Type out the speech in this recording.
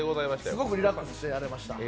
すごくリラックスしてやれました。